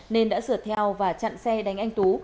nên đã sửa theo và chặn xe đánh anh tú